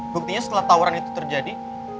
buktinya setelah tawaran itu terjadi